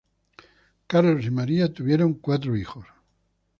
Carlos y María tuvieron cuatro hijos.